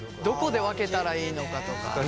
どこで分けたらいいのかとか。